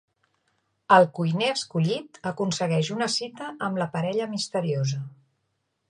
El cuiner escollit aconsegueix una cita amb la parella misteriosa.